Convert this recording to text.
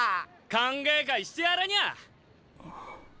歓迎会してやらにゃあ！